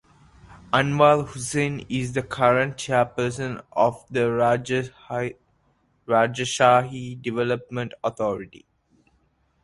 Anwar Hussain is the current Chairperson of the Rajshahi Development Authority.